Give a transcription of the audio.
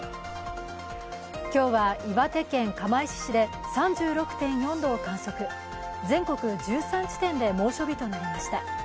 今日は岩手県釜石市で３６．４度を観測全国１３地点で猛暑日となりました。